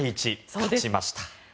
勝ちました。